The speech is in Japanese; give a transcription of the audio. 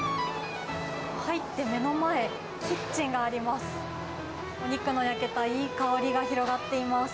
入って目の前、キッチンがあります。